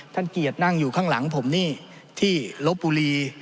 เกียรตินั่งอยู่ข้างหลังผมนี่ที่ลบบุรี